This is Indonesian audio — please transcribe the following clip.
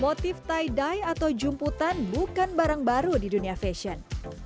motif tie dye atau jumputan bukan barang baru di dunia fashion